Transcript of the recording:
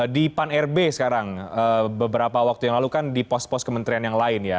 di pan rb sekarang beberapa waktu yang lalu kan di pos pos kementerian yang lain ya